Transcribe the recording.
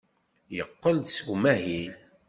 Yeqqel-d seg umahil.